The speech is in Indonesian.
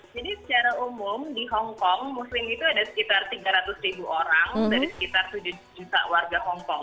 jadi secara umum di hongkong muslim itu ada sekitar tiga ratus ribu orang dari sekitar tujuh juta warga hongkong